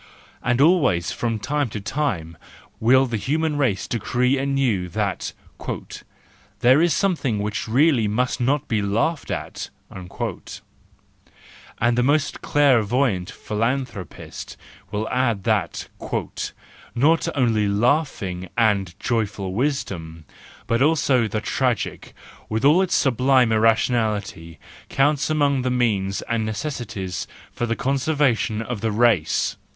And always from time to time will the human race decree anew that "there is something which really may not be laughed at" And the most clairvoyant philanthropist will add that " not only laughing and joyful wisdom, but also the tragic, with all its sublime irrationality, counts among the means and necessities for the conserva¬ tion of the race!